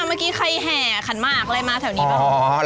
เมื่อกี้ใครแห่ขันมากเลยมาแถวนี้เปล่า